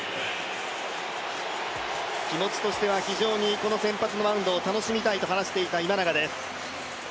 気持ちとしては非常にこの先発のマウンドを楽しみたいと話していた今永です。